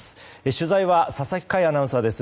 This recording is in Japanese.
取材は佐々木快アナウンサーです。